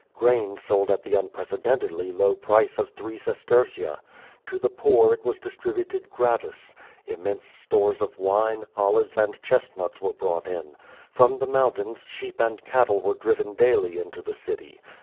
Grain sold at the unprecedentedly low price of three sestertia. To the poor it was distributed gratis. Im mense stores of wine, olives and chestnuts were brought in. From the mountains sheep and cattle were driven daily into the city.